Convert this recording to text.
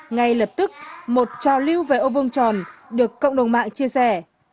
ngay lập tức một trò lưu về ô vương tròn được cộng đồng mạng chia sẻ